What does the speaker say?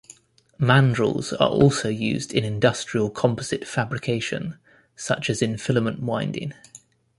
Mandrels are also used in industrial composite fabrication such as in filament winding.